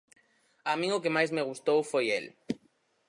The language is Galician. A min o que máis me gustou foi el.